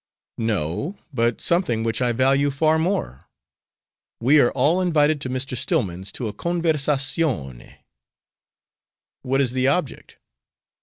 "No; but something which I value far more. We are all invited to Mr. Stillman's to a conversazione." "What is the object?"